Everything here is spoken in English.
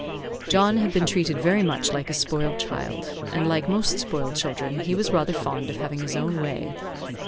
John had been treated very much like a spoiled child, and, like most spoiled children, he was rather fond of having his own way.